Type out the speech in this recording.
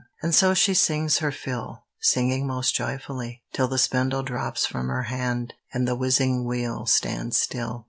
And so she sings her fill, Singing most joyfully, Till the spindle drops from her hand, And the whizzing wheel stands still.